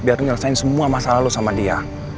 biar lo nyelesain semua masalah lo sama dia